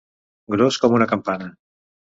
Gros com una campana.